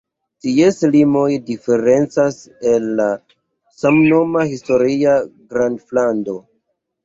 Ties limoj diferencas el la samnoma historia graflando.